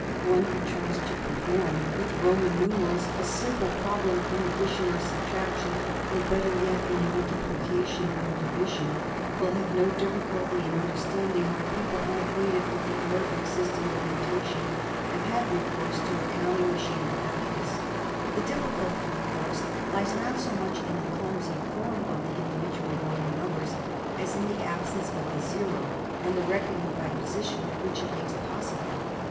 One who tries to perform with Roman numerals a simple problem in addition or subtraction or better yet, in multiplication or division will have no diffi culty in understanding why people unacquainted with the Arabic system of notation have had recourse to a counting machine or abacus. The difficulty, of course, THE NORMAN EMPIRE 107 lies not so much in the clumsy form of the individual Roman numbers as in the absence of the zero and the reckoning by position which it makes possible.